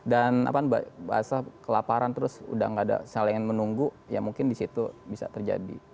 dan apaan basah kelaparan terus udah gak ada salah yang menunggu ya mungkin di situ bisa terjadi